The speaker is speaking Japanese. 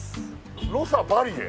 「ロサバリエ」？